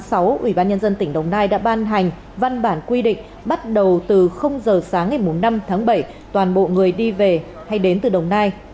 ra vào công ty ngăn chặn dịch bùng phát và lan rộng